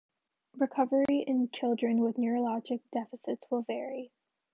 Recovery in children with neurologic deficits will vary.